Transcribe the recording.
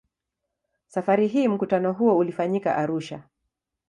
Safari hii mkutano huo ulifanyika Arusha.